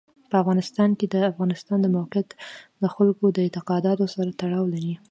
په افغانستان کې د افغانستان د موقعیت د خلکو د اعتقاداتو سره تړاو لري.